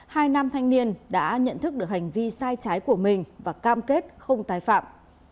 hai nam thanh niên đã nhận thức được hành vi sai trái của mình và cam kết không tái phạm